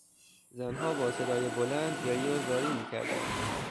زنها با صدای بلند گریه و زاری میکردند.